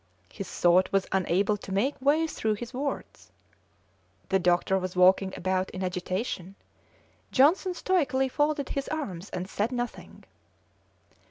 His thought was unable to make way through his words. The doctor was walking about in agitation. Johnson stoically folded his arms and said nothing.